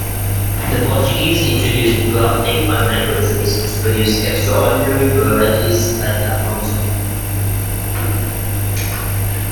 The Portuguese introduced grafting on mango trees to produce extraordinary varieties like Alphonso.